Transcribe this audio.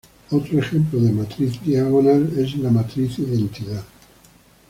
Otro ejemplo de matriz diagonal es la matriz identidad.